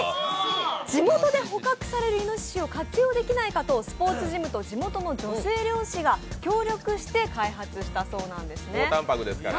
地元で捕獲されるイノシシを活用できないかとスポーツジムと地元の女性猟師が協力して開発したそうなんです。